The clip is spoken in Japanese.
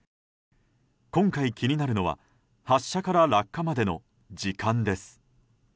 今回、気になるのは発射から落下までの時間です。